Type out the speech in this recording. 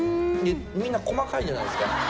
みんな細かいじゃないですか。